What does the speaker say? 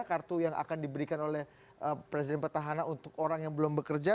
kartu yang akan diberikan oleh presiden petahana untuk orang yang belum bekerja